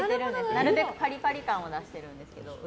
なるべくパリパリ感を出してるんですけど。